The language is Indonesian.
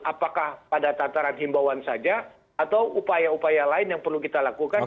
apakah pada tataran himbauan saja atau upaya upaya lain yang perlu kita lakukan